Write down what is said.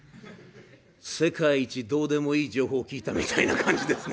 世界一どうでもいい情報を聞いたみたいな感じですが。